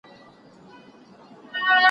یو وصیت یې په حُجره کي وو لیکلی